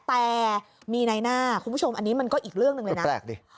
แต่มีในหน้าคุณผู้ชมอันนี้มันก็อีกเรื่องหนึ่งเลยนะแปลกดิ